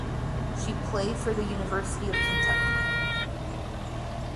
She played for the University of Kentucky.